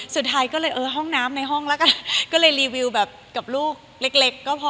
สุดท้ายก็เลยเออห้องน้ำในห้องแล้วก็ก็เลยรีวิวแบบกับลูกเล็กก็พอ